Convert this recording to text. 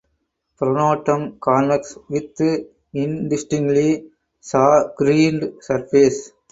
Pronotum convex with indistinctly shagreened surface.